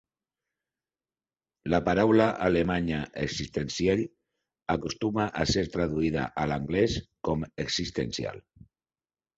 La paraula alemanya "existenziell" acostuma a ser traduïda a l'anglès com "existencial".